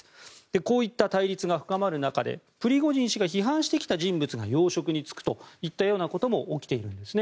こういった対立が深まる中でプリゴジン氏が批判してきた人物が要職に就くといったことも起きているんですね。